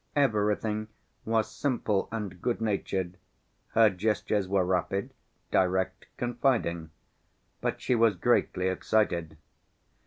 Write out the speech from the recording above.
Everything was simple and good‐natured, her gestures were rapid, direct, confiding, but she was greatly excited.